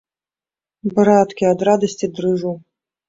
Браткі, ад радасці дрыжу.